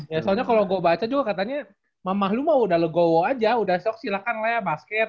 ya soalnya kalau gue baca juga katanya mama lu mau udah legowo aja udah shock silahkan lea basket